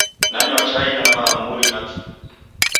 Nanywa chai na maamuri na chughu